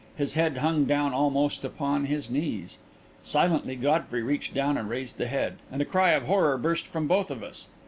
His head hung down almost upon his knees. Silently Godfrey reached down and raised the head. And a cry of horror burst from both of us.